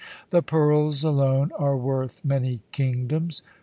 The pearls alone are worth many kingdoms.